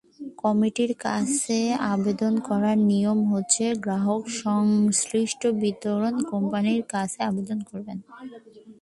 কমিটির কাছে আবেদন করার নিয়ম হচ্ছে, গ্রাহক সংশ্লিষ্ট বিতরণ কোম্পানির কাছে আবেদন করবেন।